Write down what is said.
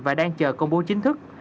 và đang chờ công bố chính thức